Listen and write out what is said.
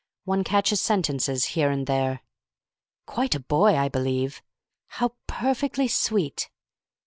One catches sentences here and there. "Quite a boy, I believe!" "How perfectly sweet!"